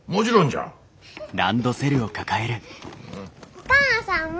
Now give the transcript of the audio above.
お母さんも！